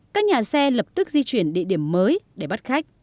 các nhà xe lập tức di chuyển địa điểm mới để bắt khách